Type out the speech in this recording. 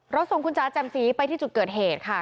ส่งคุณจ๋าแจ่มสีไปที่จุดเกิดเหตุค่ะ